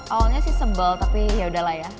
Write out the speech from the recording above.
awalnya sih sebel tapi yaudahlah ya